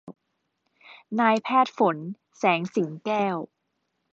นายแพทย์ฝน แสงสิงแก้ว